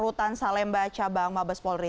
rutan salemba cabang mabespori